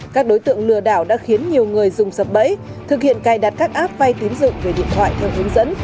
các đối tượng lừa đảo đã khiến nhiều người dùng sập bẫy thực hiện cài đặt các app vay tín dựng về điện thoại theo hướng dẫn